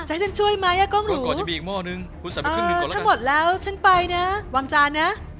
จะให้ฉันช่วยไหมอ่ะก้องหนูเออถ้าหมดแล้วฉันไปนะวางจานนะ